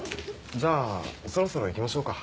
・じゃあそろそろ行きましょうか。